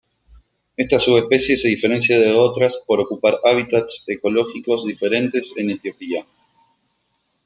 Esta subespecie se diferencia de otras por ocupar hábitats ecológicos diferentes en Etiopía.